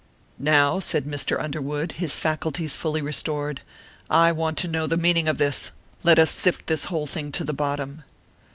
"Now," said Mr. Underwood, his faculties fully restored, "I want to know the meaning of this; let us sift this whole thing to the bottom."